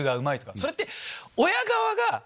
それって。